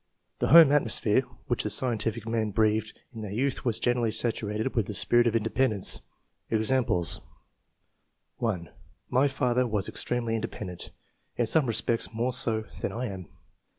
The home atmosphere which the scientific men Ijreathed in their youth was generally saturated with the spirit of independence. Examples :— 1. " My father was extremely independent, in some respects more so than I am.